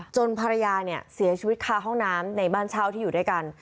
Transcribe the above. ภรรยาเนี่ยเสียชีวิตคาห้องน้ำในบ้านเช่าที่อยู่ด้วยกัน